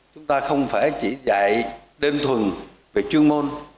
chúng ta không phải chỉ dạy đơn thuần về chuyên môn